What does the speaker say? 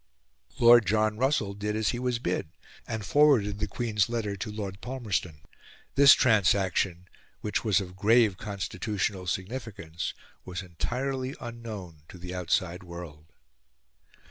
Lord John Russell did as he was bid, and forwarded the Queen's letter to Lord Palmerston. This transaction, which was of grave constitutional significance, was entirely unknown to the outside world.